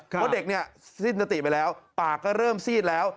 เพราะเด็กเนี่ยสิ้นสติไปแล้วปากก็เริ่มซีดแล้ว